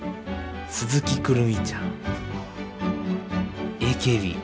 鈴木くるみちゃん。